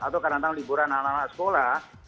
atau karena liburan anak anak sekolah